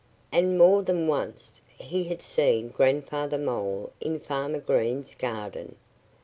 And more than once he had seen Grandfather Mole in Farmer Green's garden.